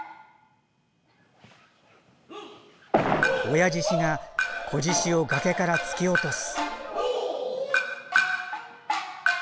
親獅子が子獅子を崖から突き落とす。